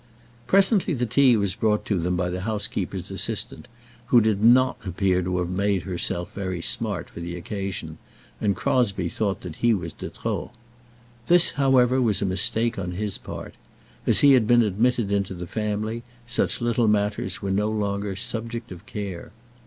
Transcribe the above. Presently the tea was brought to them by the housekeeper's assistant, who did not appear to have made herself very smart for the occasion, and Crosbie thought that he was de trop. This, however, was a mistake on his part. As he had been admitted into the family, such little matters were no longer subject of care.